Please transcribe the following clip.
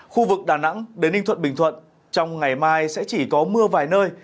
khu vực đà nẵng đến ninh thuận bình thuận trong ngày mai sẽ chỉ có mưa vài nơi